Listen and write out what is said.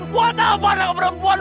buat apa anak perempuan